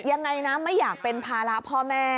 ยังไงนะไม่อยากเป็นภาระพ่อแม่